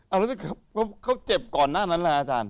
เอาละครับเขาเจ็บก่อนหน้านั้นล่ะอาจารย์